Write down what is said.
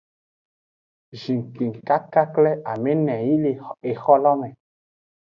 Zhinkpin kakakle amene yi le exo lo me.